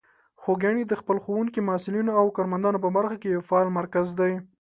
خوږیاڼي د خپلو ښوونکو، محصلینو او کارمندان په برخه کې یو فعال مرکز دی.